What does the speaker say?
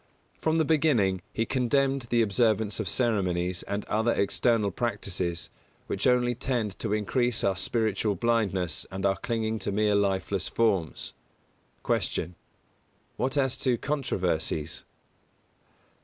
From the beginning, he condemned the observance of ceremonies and other external practices, which only tend to increase our spiritual blindness and our clinging to mere lifeless forms. 185. Q. _What as to controversies?